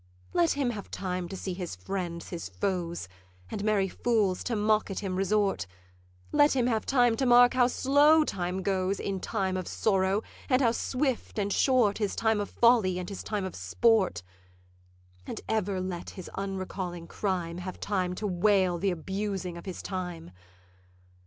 'Let him have time to see his friends his foes, And merry fools to mock at him resort; Let him have time to mark how slow time goes In time of sorrow, and how swift and short His time of folly and his time of sport; And ever let his unrecalling crime Have time to wail th' abusing of his time.